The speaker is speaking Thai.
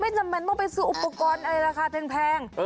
ไม่จำเป็นเข้าไปซื้ออุปกรณ์ราคาแพง